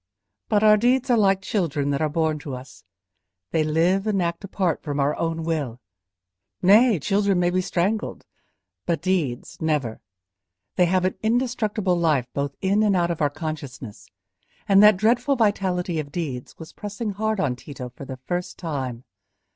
But our deeds are like children that are born to us; they live and act apart from our own will. Nay, children may be strangled, but deeds never: they have an indestructible life both in and out of our consciousness; and that dreadful vitality of deeds was pressing hard on Tito for the first time.